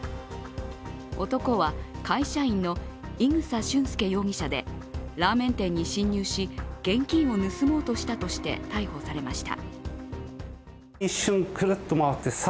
男は会社員の伊草俊輔容疑者でラーメン店に侵入し現金を盗もうとしたとして逮捕されました。